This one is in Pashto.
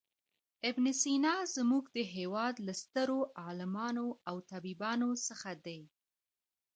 ابن سینا زموږ د هېواد له سترو عالمانو او طبیبانو څخه دی.